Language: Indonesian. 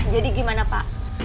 jadi gimana pak